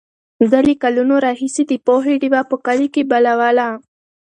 ده له کلونو راهیسې د پوهې ډېوه په کلي کې بلوله.